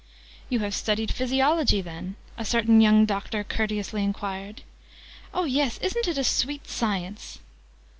"You have studied Physiology, then?" a certain young Doctor courteously enquired. "Oh, yes! Isn't it a sweet Science?"